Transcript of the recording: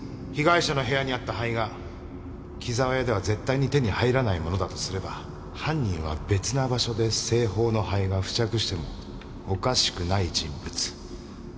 被害者の部屋にあった灰が紀澤屋では絶対に手に入らないものだとすれば犯人は別な場所で清鳳の灰が付着してもおかしくない人物。